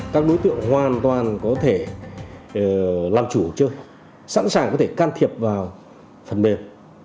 các đối tượng hoàn toàn có thể làm chủ chơi sẵn sàng có thể can thiệp vào phần mềm